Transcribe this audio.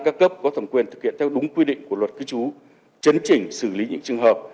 các cấp có thẩm quyền thực hiện theo đúng quy định của luật cư trú chấn chỉnh xử lý những trường hợp